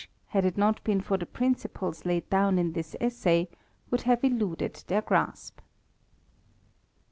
289 had it not been for the principles laid down in this essay y would have eluded their grasp.